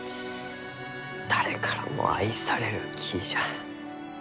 誰からも愛される木じゃ。